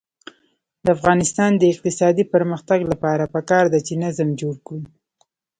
د افغانستان د اقتصادي پرمختګ لپاره پکار ده چې نظم جوړ کړو.